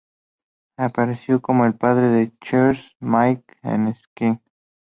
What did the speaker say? Apareció como el padre de Chris Miles en "Skins".